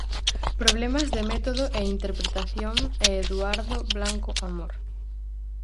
Problemas de método e interpretación e Eduardo Blanco Amor.